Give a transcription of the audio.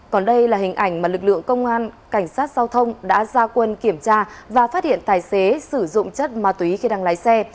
còn đây là hình ảnh mà lực lượng công an cảnh sát giao thông đã ra quân kiểm tra và phát hiện tài xế sử dụng chất ma túy khi đang lái xe